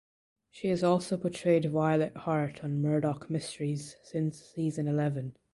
She has also portrayed Violet Hart on Murdoch Mysteries since season eleven.